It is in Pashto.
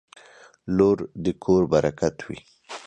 • لور د کور برکت وي.